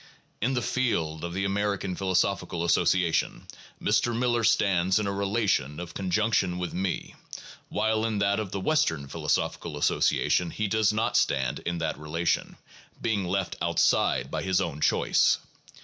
In the 'field' of the American Philosophical Association Mr. Miller stands in a relation of conjunction with me, while in that of the Western Philosophical Association he does not stand in that relation, being left outside by his own choice.